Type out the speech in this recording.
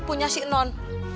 punya si non